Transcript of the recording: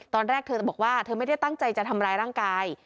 ตอนแรกเธอบอกว่าเธอไม่ได้ตั้งใจจะทำร้ายร่างกาย